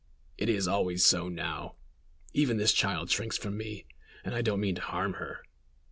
"It is always so now. Even this child shrinks from me, and I don't mean to harm her.